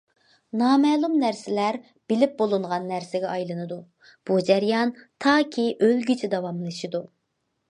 نامەلۇم نەرسىلەر بىلىپ بولۇنغان نەرسىگە ئايلىنىدۇ، بۇ جەريان تاكى ئۆلگۈچە داۋاملىشىدۇ.